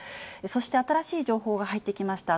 そして新しい情報が入ってきました。